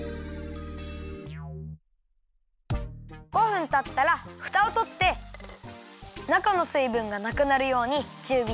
５分たったらふたをとってなかの水ぶんがなくなるようにちゅうびでやきます！